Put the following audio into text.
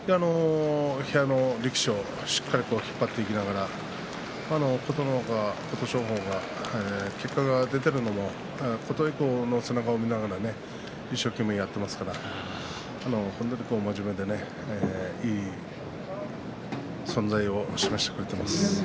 部屋の力士をしっかり引っ張っていきながら琴ノ若、琴勝峰が結果が出ているのは琴恵光の背中を見ながら一生懸命やってますから本当に真面目でねいい存在を示してくれています。